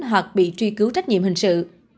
hoặc bị truy cưu trách nhiệm hình sự